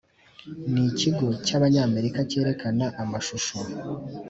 ni Ikigo cy’Abanyamerika cyerekana amashusho